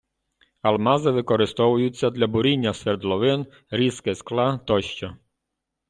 Алмази використовуються для буріння свердловин, різки скла тощо